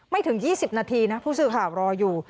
ถึง๒๐นาทีนะผู้สื่อข่าวรออยู่